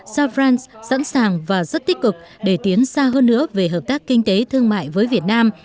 sao france sẵn sàng và rất tích cực để tiến xa hơn nữa về hợp tác kinh tế thương mại với việt nam